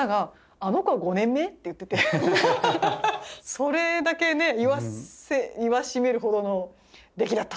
それだけね言わしめるほどの出来だったかと。